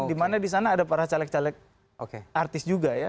dimana disana ada para caleg caleg artis juga ya